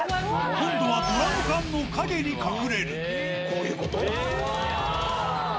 今度はドラム缶の陰に隠れる。